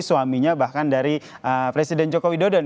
suaminya bahkan dari presiden jokowi dodo